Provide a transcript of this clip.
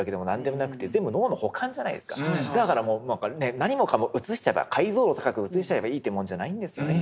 だから何もかも映しちゃえば解像度高く映しちゃえばいいってもんじゃないんですよね。